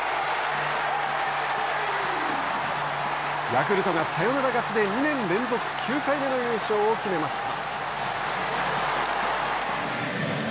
ヤクルトがサヨナラ勝ちで２年連続９回目の優勝を決めました。